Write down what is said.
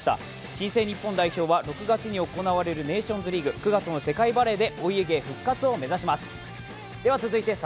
新生日本代表は６月に行われるネーションズリーグ、９月の世界バレーでお家芸復活を目指します。